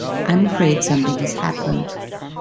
I'm afraid something has happened.